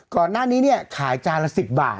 ก่อนหน้านี้เนี่ยขายจานละ๑๐บาท